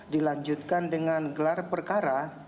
dilanjutkan dengan gelar perkara